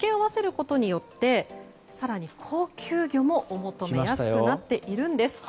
ことによって更に高級魚もお求めやすくなっているんです。